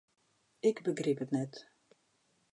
Ik begryp it net.